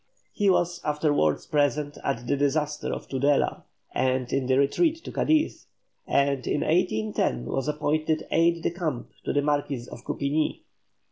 He was afterwards present at the disaster of Tudela, and in the retreat to Cadiz, and in 1810 was appointed aide de camp to the Marquis of Coupigni.